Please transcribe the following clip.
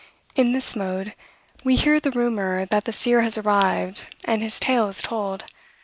In this mood, we hear the rumor that the seer has arrived, and his tale is told.